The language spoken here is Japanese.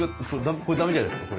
これダメじゃないですか。